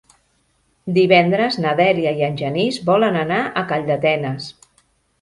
Divendres na Dèlia i en Genís volen anar a Calldetenes.